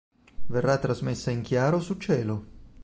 Verrà trasmessa in chiaro su Cielo.